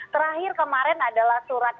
terakhir kemarin adalah surat